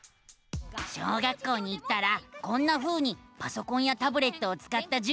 小学校に行ったらこんなふうにパソコンやタブレットをつかったじゅぎょうがあるのさ！